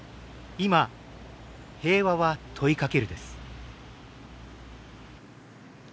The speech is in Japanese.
「今、平和は問いかける」。